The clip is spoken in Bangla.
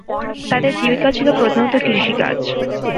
তাদের জীবিকা ছিল প্রধানত কৃষিকাজ।